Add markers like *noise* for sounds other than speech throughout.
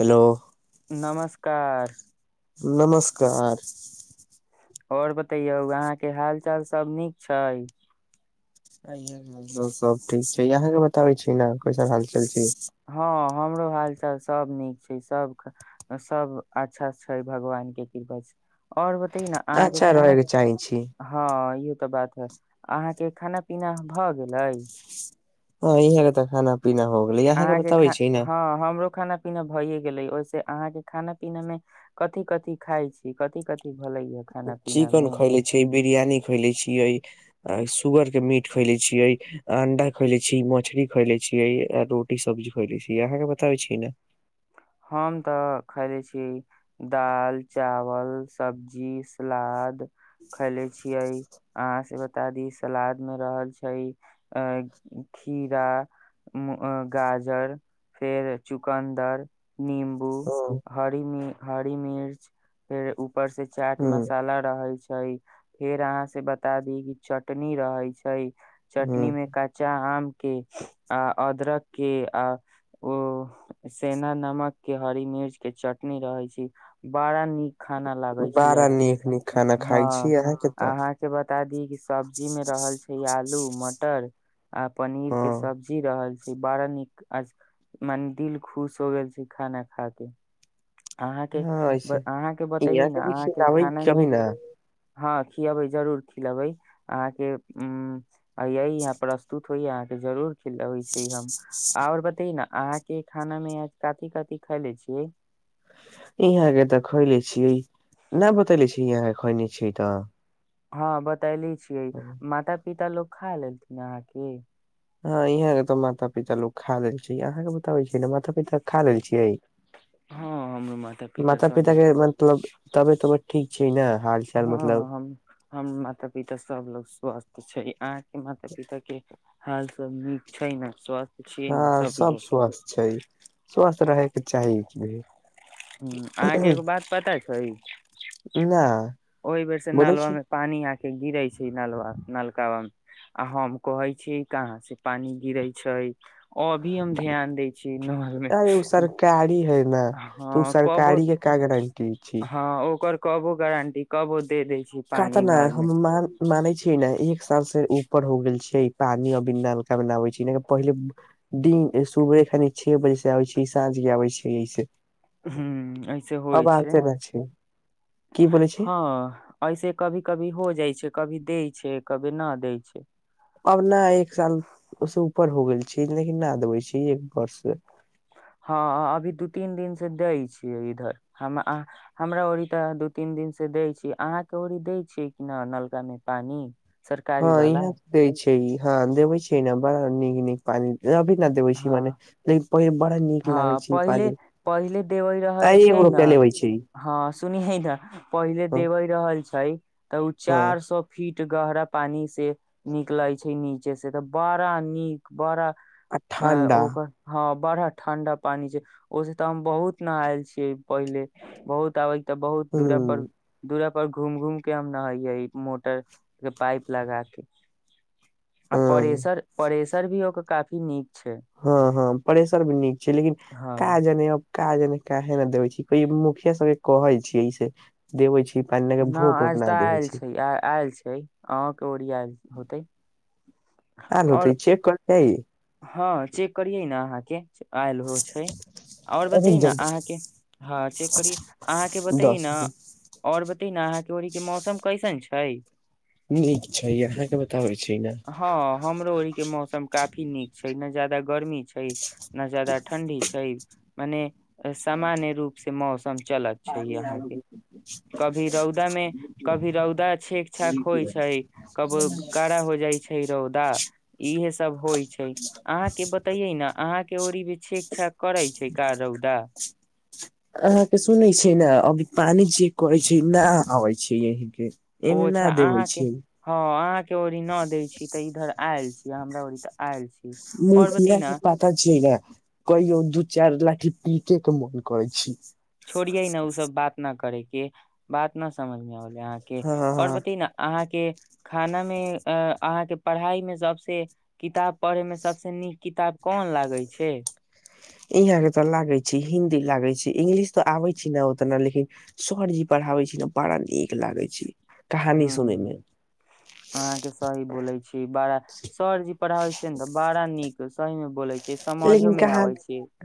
Hello नमस्कार नमस्कार और बतैयौ अहां के हाल चाल सब नीक छै सब ठीक छै अहाँके बताबै छी ने कैसन हाल चाल छी हँ हमरो हालचाल सभ नीक छै सबके सब अच्छा छै भगवान के कृपा आओर बतै न अहाँके अच्छा रहे खाना के चाहे छी हँ इहो तऽ बात है अहाँके खाना पीना भए गेलै ह ई हाई कऽ तऽ खाना पीना हो गेले अहाँ के अहाँके बताबे खा छी ने हँ हमरो खाना पीना भइे गेले ओहि सँ अहाँ के खाना पीना में कथी कथी खाय छी कथी कथी भ लागै चिकेन खैले छियै बिरियानी खैले छियै आ सुगर के मीट खोले छीयै अंडा खोले छी मछली खोएले छीयै रो कि सब्जी खेले छी यहाँके बताबै छी ने हम तऽ खयले छी दाल चावल सब्जी सलाद खैले छियै अहाँ से बता दी सलाद मे रहल छै अ खीरा गाजर फेर चुकन्दर नम्बू हँ ह हरि मिर्च ऊपर से चाट हँ मसाला रहै छै। फेर अहाँ से बता दी कि चटनी रहै छै चटनी हँ मे काट चा आम के आ अदरक के आ ओ सेद्धा नमक के के हरी मिर्च के चटनी रहै छी बड़ा नीक खाना लागै छै बड़ा आज के नीक नीक खाना हँ खाइ छी अहाँके तऽ अहाँकेँ बता दी कि सब्जी मे रहल छै आलू मटर आ पनीर के हँ सब्जी जी रहल छै बड़ा नीक आज मने दिल खुश हो गेल छै खाना खा के ' अहाँके हँ ऐसे ब अहाँके बतैए यहाँ ने के भी अहाँके खिलाबै खानामे कभी ने हँ खियाबै जरूर खिलेबै अहाँके उ य यही पर *unintelligible* के जरूर खिल होइ छै हम आऔर बतई नऽ आज अहाँ के खाना में कथि कथि क तिख ले छियै *unintelligible* ई आहाँ तऽ खोएले छियै न बतैले छी यहा के खोइले छियै तऽ हँ बतैले छियै माता पिता लोग खा लेल थिन अहाँकेँ हँ यहाँ के तो माता पिता लो खा लेल छै अहाँ के बताबे छै ने माता पिता खा लेल छियै हँ हमरो माता सब पिता लोग के मतलब तबियत ठीक छै ने हाल चाल हँ मतलब हम हम माता पिता सभ लोग स्वस्थ छै अहाँके माता पिता कि हाल सब नीक छै ने स्वास्थ ' हँ सब स्वस्थ छै स्वस्थ रहयके चाही भी अहाँके एगो बात पता छै नहि ओहि बेर से नलबा मे पानी आके गिरे छै नलबा नलका मे हम कहै छी कहाँ से पानी गिरे छै अभी हम ध्यान दै छीये नहर मे अरे उ सरकारी हँ कबो क गरंटी छी *unintelligible* हँ ओकर कबो गारंटी कबो दे दै छी कतना हम माँग मानै छै ने एक साल से ऊपर हो गेल छै पानी अभी नलका न नाबै छै पहिले दिन सुबहे खनि छे बजे से आबै छै साँझ के आबै छै एहिसँ हुँ ऐसे होइ छै छै की बोलै छै हँ ऐसे कभी कभी हो जाइ छै कभी दै छै कभी न दै छै अब न एक सालसँ ऊपर हो गेल छै लेकिन न देबै छै एक वर्ष हँ अभी दू तीन दिन से दै छै इधर हम हमरा ओड़ तऽ दू तीन दिन से दै छै अहाँके ओड़ी दै छै कि न नलकामे पानि हँ इहा दे छै ह देवे छै ने बड़ा नीक नीक पानी अभी ने देबे छी हँ मने लेकिन पहि बड़ा नीक हँ लागै छै ई पहिले पानी पा पहिले देबे रहल अय छियै न रोपै ले होै छै *unintelligible* हँ सुनेये ने पहिले देबे रहल छै तऽ ओ हँ चार सौ फिट गहरा पानी से निकले छै नीचे से तऽ बड़ा नीक बड़ा आ ओकर हँ बड़ा ठंडा पानी छै ओहिस तऽ हम बहुत नहायल छियै पहिले बहुत आबै तऽ बहुत ह दूरा पर दूरा पर घूम घूम के हम नहैये मोटर के पाइप लगा के आ ह परेसर परेसर भी ओकर काफी नीक छै हँ हँ प्रेेशर भी नीक छै लेकिन का हँ जनेब काजने काहे ने देबै छै मुखिया सबके कहै छियै इ से देबै छी पानी ने न आज तऽ आयल छै आयल छै अहाॅं के ओर आयल होते आयल और तऽ ई चेेक करबै हँ चेक करियै ने अहाँके आयल हो छै आओर बतै अरे ने जल्दी अहाँके हँ चेक करी अहाँके बतै दस न ' ओर बतेनए न अहाँके ओड़ीक के मौसम कैसन छै नीक छै अहाँके बताबै छी ने ' हँ हमरो ओरी के मौसम काफी नीक छै ने ज्यादा गर्मी छै न जैदा ठण्डी छै मने सामान्य रूप से मौसम चलत छै यहाँ के कभी रौदा मे कभी रौदा छेक छाक होइ छै कबो कड़ा हो जाइ छै रौदा इहे सब होइ छै अहाँ के बतैये ने अहाँ के ओड़ी छेक छाक करे छै का रौदा अहाँके सुनैत छै ने अभी पानि जे करै छै न अबैत छिअय ओ एमे न अच्छा देबै अहाँ के छै हँ अहा के ओड़ी न देय छी ते इधर आयल छी हमरा ओड़ी ते आयल छी आओर बयना क छैा कहियौ दू चारि लाठी पीटे के मन करै छी छोड़ियै ने ओ सब बात न करेके बात न समझमे होले अहाँके हँ हँ आओर बतै न अहाँके खानामे अहाँके पढ़ाइमे सभसँ किताब पढ़यमे सभसँ नीक किताब कोन लागै छै यहा के तो लागे छै हिंन्दी लागे छै इंगलिश तो आबे छै ने उतना लेकिन सरजी पढ़ाबै छै त बड़ा नीक लागै छै कहानी सुनै हूँ मे अहाँके सही बोलै छी बड़ा सरजी पढ़ाबै छियै ने तऽ बड़ा नीक सहीमे बोलय लेकिन कहान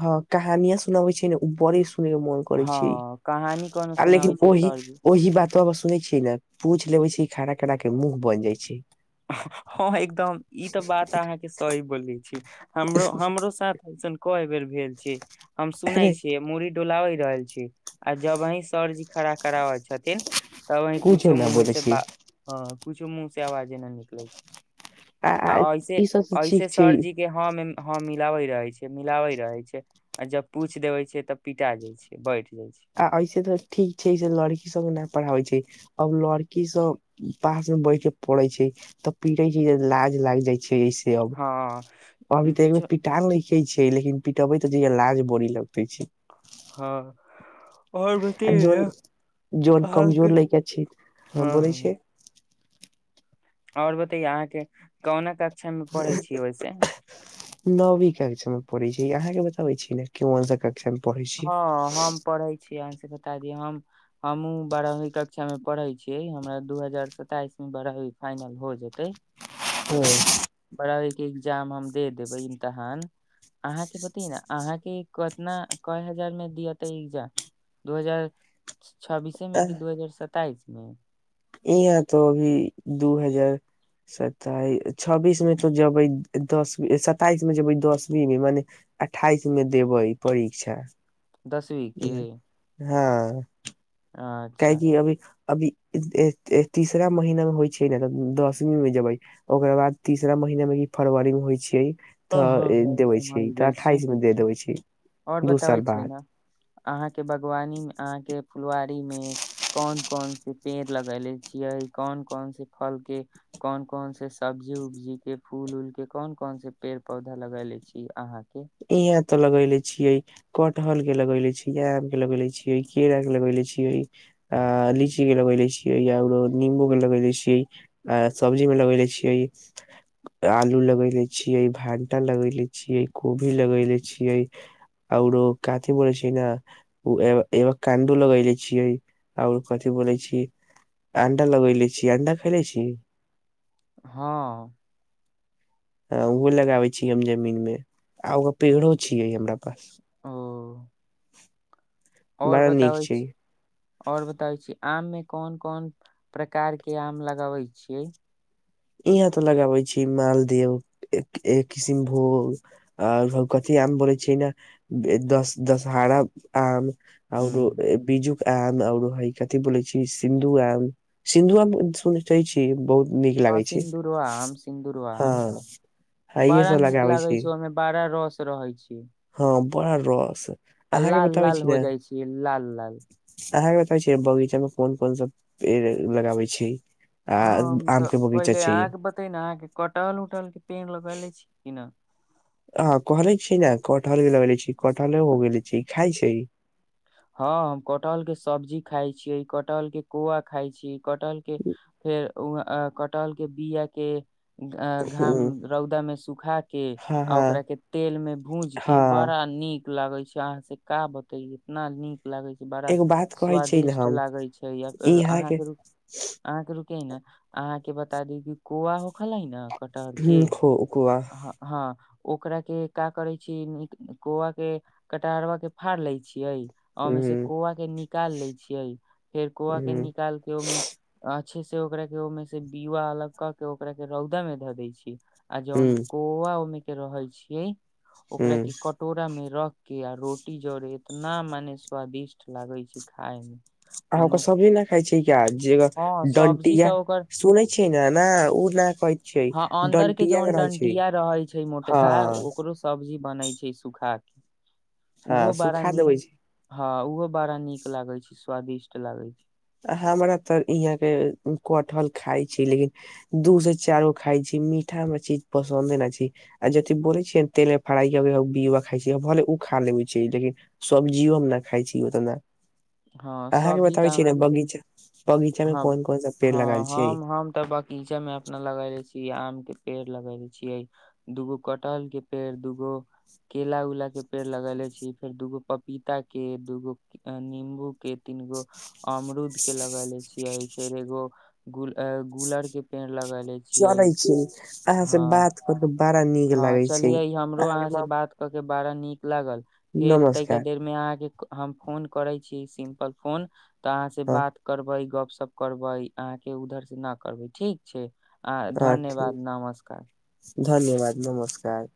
हँ कहानिया सुनाबे छै ने उ बड़ी सुनेमे मन करै हँ छै कहानी कोनो आ सुनाबै लेकिन छै ओहि सरजी ओहि बात ब सुने छियै ने पूछि लेबे छै खना के मुह बजय छै हँ एकदम ई त बात अहाँके सही बोलै छी हमरो हमरो साथ हैय सन कय बेर भेल छै हम सुनै अरे छियै मुड़ी डोलाव रहल छी आ जब हीं सरजी खड़ा कराबै छथिन तब हीं कुछो न मुँहे बोले से छी ब ह कुछो मुह से आवाजे न निकले छै आ ऐसे ई सब तऽ ठीक ऐसे छै सरजी के हँ मे हँ मिलाबै रहै छै मिलाबै रहै छै आ जब पूछि देवे छै त पिटा जाय छै बैठ जाय छै आ ऐसे तऽ ठीक छै से लड़की सब नहि पढ़ाबै छै अब लड़की सब पास मे बैठ के पड़े छै तऽ पिटे छै लाज लाग जाइ छै ऐसे अब हँ अभी त एक बेर पिटायल‌ पिखे छै लेकिन पिटेबे त जहिया लाज बड़ी लगते छै हँ ओर आ जौन बतैयो‌न‌ जौन अहाँके कमजोर लैका छै हम बोलै हँ छै ओर बतैयो अहाँके कोना कक्षा मे पढ़ै छी ओहिसे नवी कक्षा मे पढ़ै छै अहाँके बताबै छी ने कन सा क स पढै‌छै हँ हम पढ़ै छियै अहाॅंस बता दी हम हमहु बारहवीं कक्षा में पढ़े छियै हमरा दू हजार सताईस में बारहवीं फाइनल हो जेते *inaudible* ह बारहवीं के एग्जाम हम दे देबै इमतहान अहाँके बतैयो ने अहाँके कतना कय हजार मे दिया त एग्जाम दू हजार छब्बीसे मे कि दू हजार सताइस ह इहाँ तो अभी दू हजार सताई छब्बीस मे तो जेबै दसवी सताइस में जेबै दसवीं मे मने अठाइस मे देबै परीक्षा दसवीं के हँ अच्छा काहेकि अभी अभी तीसरा महीना मे होइ छै ने त दसवीं मे जेबै ओकरा बाद तीसरा महीना मे ई फरवरी मे होइ छीयै ओ ह तऽ ह देबे समझ छै तऽ गेल छी अठाईस मे दे देबे छै और दू बताबै साल छियै बाद ने अहाँके बागवानी अहाँके फुलवारी मे कोन कोनसी पेड़ लगेले छियै कोन कौन से फल के कोन कोन से सब्जी उब्जी के फूल उलके कोन कोन से पेड़ पौधा लगेले छी अहाँ के इहाँ तो लगेले छियै कटहल के लगेले छी आम के लगेले छी केरा के लगेले छीये अ लीची के लगे ले छियै याकरो नीम्बू के लगे ले छियै आ सब्जी मे लगबेले छिऐ आलू लगैले छियै भंटा लगैले छियै कोभी लगैले छियै आउरो कथी ब छी ने ओ एग एवाकान्दो लगले छियै ओर कथि बोले छी अंडा लगैले छी अंडा खैले छी हँ ओहो लगाबै छीयै हम जमीन मे आ ओकर पेड़ो छियै हमरा पास ओ ओर बड़ा नीक बताबै छै छी और बताबै छी आम मे कोन कोन प्रकार के आम लगावे छियै यहां ते लगाबे छी मालदेव एक किसनभोग आर कथी आम बोलै छियै ने दस दशहरा आम ओरो हूँ बिजु आम ओर ह कथि बोलै छी सिन्धु आम सिन्धु आम सु च छी बहुत नीक लागै छै सिन्दूरवा आम सिन्दरवाम हाँ आ इहे बड़ा सब नीक लगाबे लागे मे बाड़ा रस रहै छै हाँ बड़ा रस आ अहाँके लाल लाल हो जाई छऽ लाल लाल अहाँ के बताबै छीयै बगीचा मे कोन कोन सब पेड़ लगाबे छी आ आम के बगीचा छै ते ने अहाँ के कटहल उटहल के पेड़ लगेले छी कि ना हा कहले छी ने कटहल भी लगेेले छी कटहले हो गेले छी खाय छै हाँ हम कटहल के सब्जी खाय छीयै कटहल के कौआ खाइ छी कटहल के फेर कटहल के बीआ के आ ह घाम रौदामेउ सूखा के हँ आ हँ ओकरा के तेल में भूज के हँ बड़ा नीक लागे छै अहाँ से का बते इतना नीक लागै छै बड़ा एगो बात कहै छी ने स्वादिष्ट हम लागै छै या फर इहाँ के अहाँके रु अहाँ के रुके न अहाँ के बता दी कि कोआ खलई न कटहर के खोआ हँ ओकरा के का करे छी कौआ के कटरबा के फाड़ ले छियै ओ ह ओमे से कौआ के निकाल लै छियै फेर कौआ के ह निकाल के ओहिमे अच्छे से ओकरा के ओहिमे से बीआ अलग कऽ के ओकरा के रौदा मे धऽ दै छी आ जौन ह कौआ ओमे के रहे छियै ओकरा के क कटोरा में रख के आ रोटी जरे इतना मने स्वादिष्ट लागे छै खाय में अह के सब्जी‌ ना खाय छै कऽ जे हँ सब्जी डंटिया तऽ ओकर सुनै छै ने ओ नहि कह हाँ अन्दर के जौन डंटिया रहै छै मोटका हँ ओकरो सब्जी बनय छै सूखा के हाँ हाँ सुख बड़ा नीक हाँ उहो बड़ा नीक लागे छै स्वादिष्ट लागे छै हमरा तऽ यहाँ के कटहल खाई छी लेकिन दू से चार गो खाय छी मीठा हमरा चीज पसन्द नऽ छी आ जी बोले छियै तेल मे फराईकऽ के खा भले ओ खा लेै छै लेकिन सब्जीयो हम ना खाय छी ओतऽ ना हाँ सब्जी तऽ हमरा बगीच बगीचा में हँ कोन कोन सा पेड़ हँ लगायल छियै हम हम तऽ बक बगीचा में अपना लगेले छी आम के पेड़ लगेले छियै दुगो कटहल के पेड़ दुगो केला उला के पेड़ लगेले छी फेर दुगो पपीता के दुगो निम्बू के तीन गो अमरूद के लगेले छियै फेर एगो गुल गुलर के पेड़ लगेले चले छियै छी अहाँ से हँ बात कर के बड़ा नीक हँ लगै छै चलिये हमरो अहाँ के से म बात के बाड़ा नीक लागल फेर तहिका नमस्कार देर मे अहाँ के हम फोन करै छी सिम्पल फोन तऽ अहाँ से हँ बात करबै गप्प शप्प करबै अहाँ के उधर से ना करबै ठीक छै अ हँ धन्यवाद ठीक नमस्कार धन्यवाद नमस्कार